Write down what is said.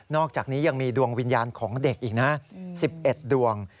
อกจากนี้ยังมีดวงวิญญาณของเด็กอีกนะ๑๑ดวง